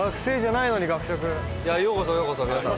ようこそようこそ皆さん。